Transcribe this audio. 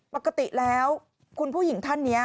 ปกติแล้วคุณผู้หญิงท่านนี้